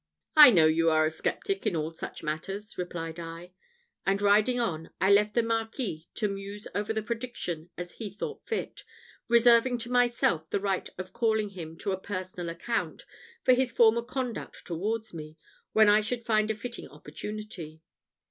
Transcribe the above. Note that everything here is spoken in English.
"I know you are a sceptic in all such matters," replied I; and riding on, I left the Marquis to muse over the prediction as he thought fit, reserving to myself the right of calling him to a personal account for his former conduct towards me, when I should find a fitting opportunity.